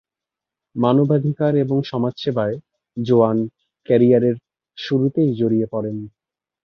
মানবাধিকার এবং সমাজসবায় জোয়ান ক্যারিয়ারের শুরুতেই জড়িয়ে পড়েন।